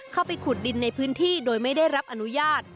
เข้าไปขุดดินในพื้นที่โดยไม่ได้รับอนุญาต